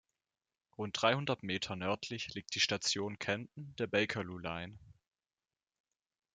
Rund dreihundert Meter nördlich liegt die Station Kenton der Bakerloo Line.